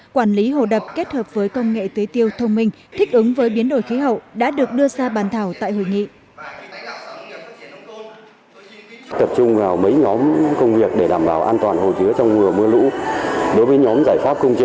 quản lý hồ đập kết hợp với công nghệ tưới tiêu thông minh thích ứng với biến đổi khí hậu đã được đưa ra bàn thảo tại hội nghị